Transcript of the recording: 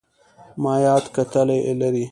مایعات کتلې لري.